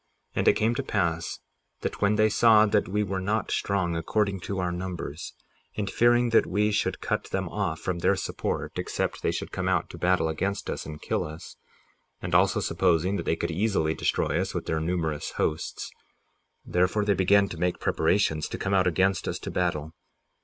58:15 And it came to pass that when they saw that we were not strong, according to our numbers, and fearing that we should cut them off from their support except they should come out to battle against us and kill us, and also supposing that they could easily destroy us with their numerous hosts, therefore they began to make preparations to come out against us to battle.